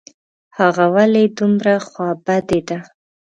هغه ولي دومره خوابدې ده ؟